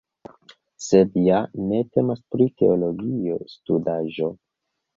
Sed ja ne temas pri teologia studaĵo.